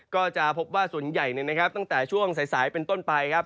ก็จะพบว่าส่วนใหญ่ตั้งแต่ช่วงสายเป็นต้นไปครับ